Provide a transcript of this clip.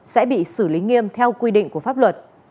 sẽ bị xử lý nghiêm theo quy định của pháp luật